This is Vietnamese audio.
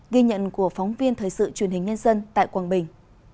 ghi nhận của phóng viên thời sự truyền hình nhân dân tại quảng bình